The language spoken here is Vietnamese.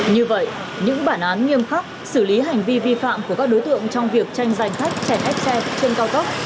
như vậy những bản án nghiêm khắc xử lý hành vi vi phạm của các đối tượng trong việc tranh giành khách chèn ép xe trên cao tốc